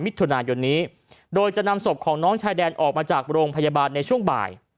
มิถุนายนนี้โดยจะนำศพของน้องชายแดนออกมาจากโรงพยาบาลในช่วงบ่าย